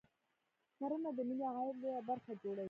کرنه د ملي عاید لویه برخه جوړوي